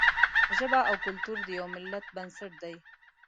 ژبه او کلتور د یوه ملت بنسټ دی.